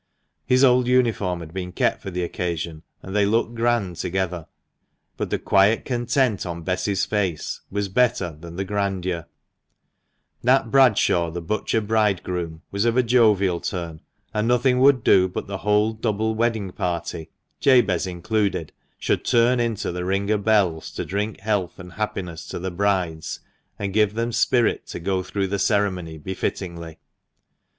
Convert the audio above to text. His old uniform had been kept for the occasion, and they looked grand together; but the quiet content on Bess's face was better than the grandeur. 168 THE MANCHESTER MAN. Nat Bradshaw, the butcher bridegroom, was of a jovial turn, and nothing would do but the whole double wedding party, Jabez included, should turn into the Ring o' Bells to drink health and happiness to the brides, and give them spirit to go through the ceremony befittingly.